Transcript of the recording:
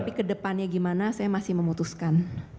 tapi ke depannya gimana saya masih memutuskan